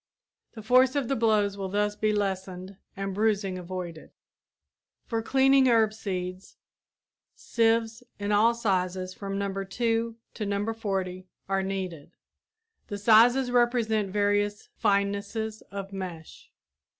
The force of the blows will thus be lessened and bruising avoided. For cleaning herb seeds sieves in all sizes from No. 2 to No. 40 are needed. The sizes represent various finenesses of mesh.